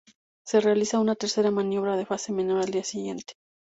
Se realizó una tercera maniobra de fase menor al día siguiente.